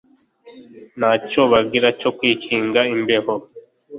nta cyo bagira cyo kwikinga imbeho